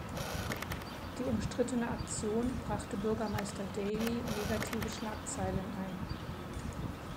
Die umstrittene Aktion brachte Bürgermeister Daley negative Schlagzeilen ein.